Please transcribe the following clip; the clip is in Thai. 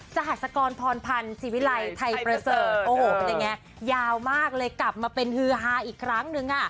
จหัสกรพรพันธ์สิวิไลไทยเตอร์เซิร์ตโอ้โหยาวมากเลยกลับมาเป็นฮือฮาอีกครั้งนึง